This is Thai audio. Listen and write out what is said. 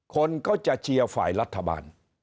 คนก็จะเชียร์ฝ่ายรัฐบาล